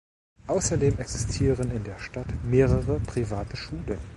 Außerdem existieren in der Stadt mehrere private Schulen.